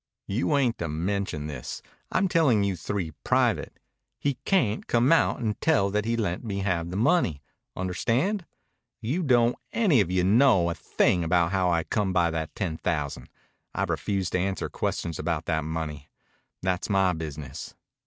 "You ain't to mention this. I'm tellin' you three private. He cayn't come out and tell that he let me have the money. Understand? You don't any of you know a thing about how I come by that ten thousand. I've refused to answer questions about that money. That's my business."